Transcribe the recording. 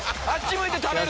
向いて食べる。